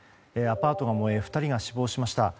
アパートが燃え２人が死亡しました。